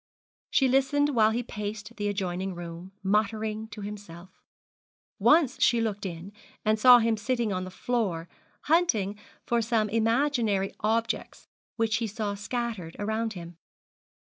She listened while he paced the adjoining room, muttering to himself; once she looked in, and saw him sitting on the floor, hunting for some imaginary objects which he saw scattered around him.